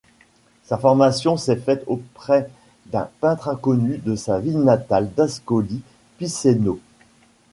Sa formation s'est faite auprès d'un peintre inconnu de sa ville natale d'Ascoli Piceno.